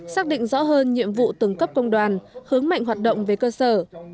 xác định rõ hơn nhiệm vụ từng cấp công đoàn hướng mạnh hoạt động về cơ sở